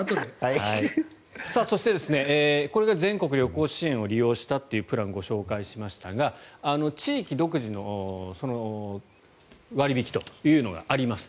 そしてこれが全国旅行支援を利用したプランをご紹介しましたが地域独自の割引というのがあります。